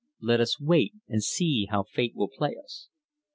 Let us wait and see how Fate will play us."